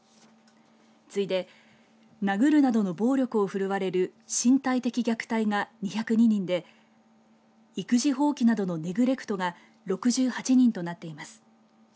次いで、殴るなどの暴力を振るわれる身体的虐待が２０２人で育児放棄などのネグレクトが６８人となっています。